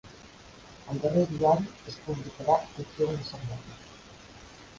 El darrer diari es publicarà d'aquí a una setmana.